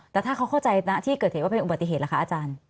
แต่ถ้าเขาเข้าใจณที่เกิดเหตุว่าเป็นอุบัติเหตุล่ะคะอาจารย์